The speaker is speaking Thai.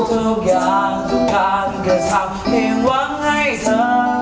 ทุกอย่างทุกการก็ทำให้หวังให้เธอ